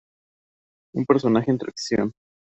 Un personaje entre en acción.